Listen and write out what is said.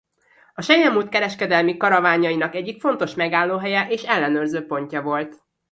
A selyemút kereskedelmi karavánjainak egyik fontos megállóhelye és ellenőrző pontja volt.